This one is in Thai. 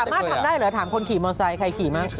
สามารถทำได้เหรอถามคนขี่มอเซใครขี่มั่ง